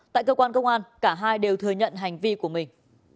tại cơ quan công an cả hai đều thừa nhận hành vi của mình